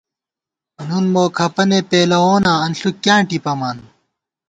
نُن مو کھپَنے پېلَووناں انݪُوک کیاں ٹِپَمان